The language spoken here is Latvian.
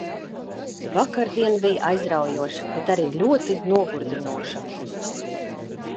Vakardiena bija aizraujoša, bet arī ļoti nogurdinoša.